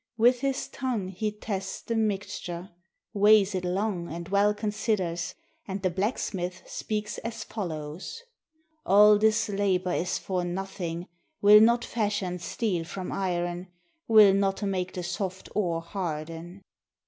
With his tongue he tests the mixture. Weighs it long and well considers. And the blacksmith speaks as follows: "All this labor is for nothing, Will not fashion steel from iron, Will not make the soft ore harden."